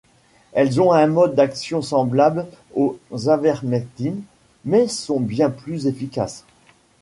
Elles ont un mode d'action semblable aux avermectines, mais sont bien plus efficaces.